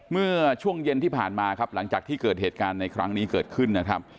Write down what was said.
เมื่อช่วงเย็นที่ผ่านมาครับหลังจากที่เกิดเหตุการณ์ในครั้งนี้เกิดขึ้นนะครับ